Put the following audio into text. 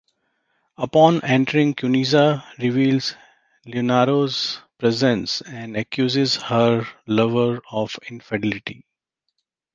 Upon entering, Cuniza reveals Leonora's presence and accuses her lover of infidelity.